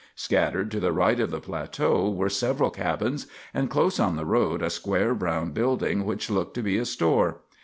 Scattered to the right of the plateau were several cabins, and close on the road a square brown building which looked to be a store.